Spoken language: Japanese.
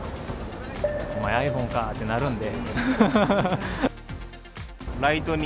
お前、ｉＰｈｏｎｅか、ってなるんで。